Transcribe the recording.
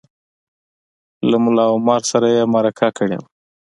له ملا عمر سره یې مرکه کړې وه